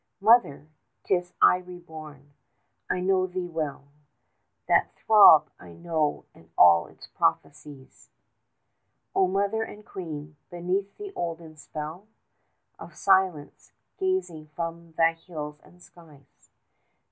Mother, 'tis I reborn: I know thee well: That throb I know and all it prophesies, 10 O Mother and Queen, beneath the olden spell Of silence, gazing from thy hills and skies!